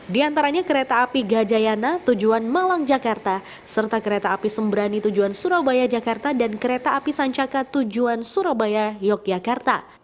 di antaranya kereta api gajayana tujuan malang jakarta serta kereta api sembrani tujuan surabaya jakarta dan kereta api sancaka tujuan surabaya yogyakarta